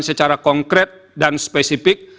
secara konkret dan spesifik